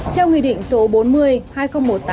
theo nghị định số bốn mươi hai nghìn một mươi tám